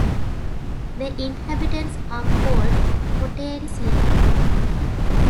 The inhabitants are called "Cottevreziens".